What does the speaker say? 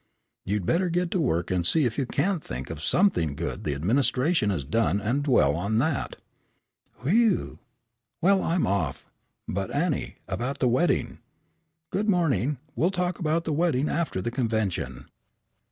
You'd better get to work and see if you can't think of something good the administration has done and dwell on that." "Whew!" "Well, I'm off." "But Annie, about the wedding?" "Good morning, we'll talk about the wedding after the convention."